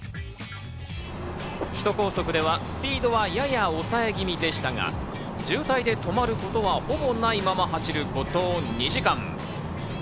首都高速ではスピードはやや抑え気味でしたが、渋滞で止まることはほぼないまま走ること２時間。